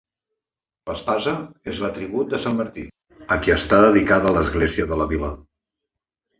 L'espasa és l'atribut de sant Martí, a qui està dedicada l'església de la vila.